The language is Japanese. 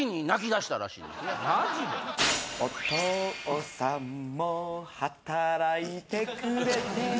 お父さんも働いてくれて